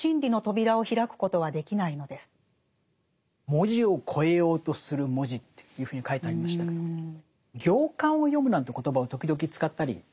「文字を越えようとする文字」っていうふうに書いてありましたけど「行間を読む」なんて言葉を時々使ったりしますね。